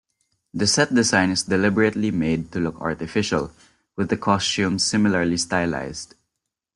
The set design is deliberately made to look artificial with the costumes similarly stylised.